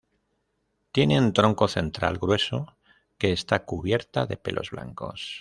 Tienen tronco central grueso que está cubierta de pelos blancos.